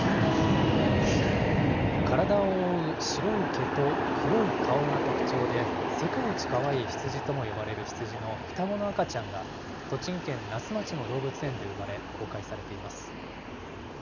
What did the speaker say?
体を覆う白い毛と黒い顔が特徴で、世界一かわいい羊とも呼ばれる羊の双子の赤ちゃんが栃木県那須町の動物園で生まれ、公開されています。